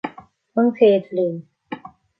An Chéad Bhliain